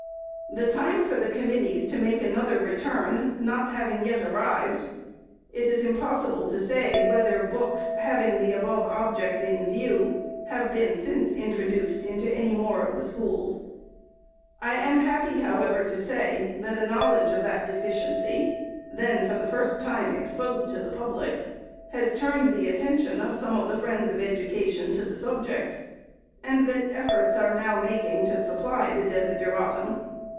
The time for the committees to make another return not having yet arrived, it is impossible to say, whether books, having the above object in view, have been since introduced into any more of the schools. I am happy, however, to say, that a knowledge of that deficiency, then for the first time ex posed to the public, has turned the attention of some of the friends of Education to the subject, and that efforts are now making to supply the desideratum.